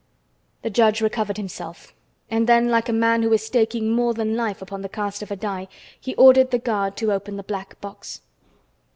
The judge recovered himself, and then, like a man who is staking more than life upon the cast of a die, he ordered the guard to open the black box.